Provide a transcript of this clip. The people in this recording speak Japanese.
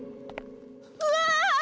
うわ！